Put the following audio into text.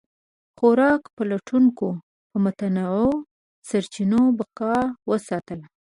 خوراک پلټونکو په متنوع سرچینو بقا وساتله.